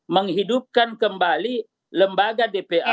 menghidupkan kembali lembaga dpa